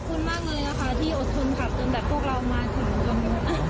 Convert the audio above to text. ขอบคุณมากเลยนะคะที่อดทนขาดทุนแบบพวกเรามาถึงตรงนี้